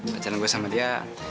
pacaran gue sama dia